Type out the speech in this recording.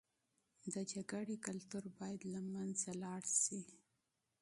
د جنګ کلتور بايد له منځه لاړ شي.